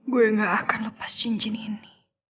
gue gak akan lepas cincin ini